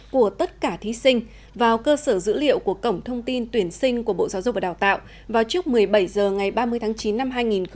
của tất cả thí sinh vào cơ sở dữ liệu của cổng thông tin tuyển sinh của bộ giáo dục và đào tạo vào trước một mươi bảy h ngày ba mươi tháng chín năm hai nghìn hai mươi